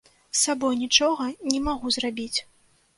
З сабой нічога не магу зрабіць.